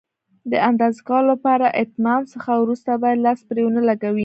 د اندازه کولو له اتمام څخه وروسته باید لاس پرې ونه لګوئ.